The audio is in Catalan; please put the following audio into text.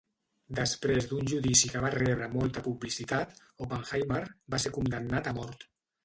Després d'un judici que va rebre molta publicitat, Oppenheimer va ser condemnat a mort.